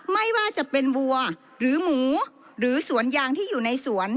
ไม่ว่าจะเป็นวัวหรือหมูหรือสวนยางที่อยู่ในสวน